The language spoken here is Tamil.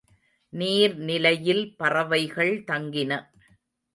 நீர் நிலையில் பறவைகள் தங்கின.